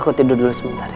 aku tidur dulu sebentar ya